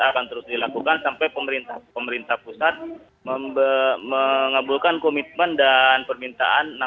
akan terus dilakukan sampai pemerintah pusat mengabulkan komitmen dan permintaan